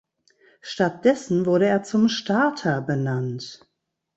Stattdessen wurde er zum Starter benannt.